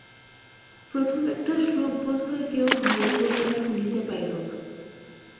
প্রথম একটা শ্লোক বোধ হয় কেহ ভালো করিয়া শুনিতে পাইল না।